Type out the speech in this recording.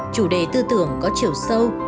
chủ đề tư tưởng có chiều sâu